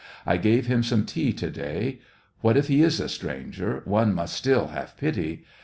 *' I gave him some tea to day, — what if he is a stranger, one must still have pity